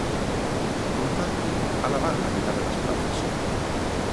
Polo tanto, alá van a metade das prazas.